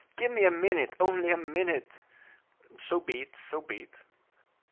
Give me a minute,—only a minute?" "So be it; so be it."